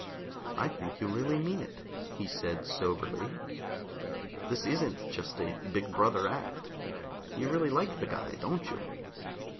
"I think you really mean it," he said soberly. "This isn't just a big brother act. You really like the guy, don't you?"